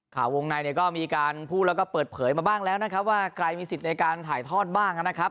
ข่าววงในเนี่ยก็มีการพูดแล้วก็เปิดเผยมาบ้างแล้วนะครับว่าใครมีสิทธิ์ในการถ่ายทอดบ้างนะครับ